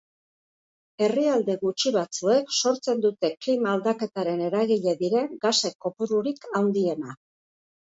Herrialde gutxi batzuek sortzen dute klima-aldaketaren eragile diren gasen kopururik handiena.